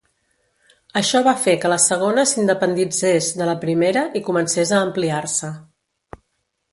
Això va fer que la segona s'independitzés de la primera, i comencés a ampliar-se.